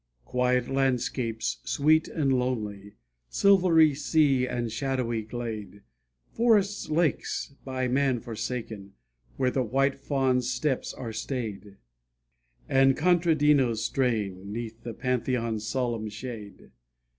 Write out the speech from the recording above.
Quiet landscapes, sweet and lonely, Silvery sea, and shadowy glade, Forest lakes by man forsaken, Where the white fawn's steps are stayed; And contadinos straying 'Neath the Pantheon's solemn shade.